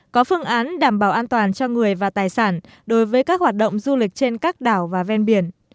có phương án đảm bảo an toàn cho người và tài sản đối với các hoạt động du lịch trên các đảo và ven biển